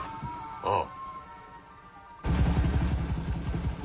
ああ。